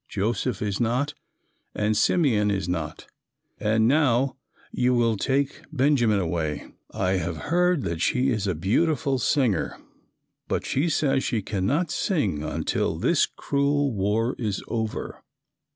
Joseph is not and Simeon is not and now you will take Benjamin away." I have heard that she is a beautiful singer but she says she cannot sing any more until this cruel war is over.